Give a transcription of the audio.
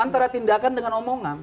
antara tindakan dengan omongan